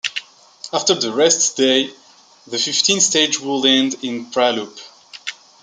After the rest day, the fifteenth stage would end in Pra-Loup.